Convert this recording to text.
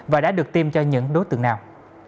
và đã được tiêm cho những đối tượng nào